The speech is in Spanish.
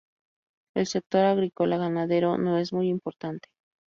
El sector agrícola-ganadero no es muy importante.